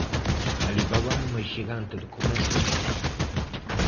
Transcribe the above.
Alibaba é uma gigante do comércio eletrônico.